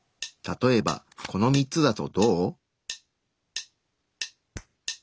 例えばこの３つだとどう？